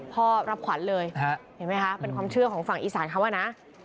พ่อรับขวัญเลยเห็นมั้ยฮะเป็นความเชื่อของฝั่งอีสันค้ะว่านะ